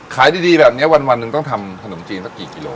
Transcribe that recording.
ขายดีแบบนี้วันหนึ่งต้องทำขนมจีนสักกี่กิโล